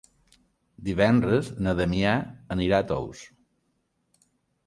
Divendres na Damià anirà a Tous.